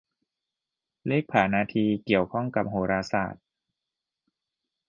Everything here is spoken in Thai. เลขผานาทีเกี่ยวข้องกับโหราศาสตร์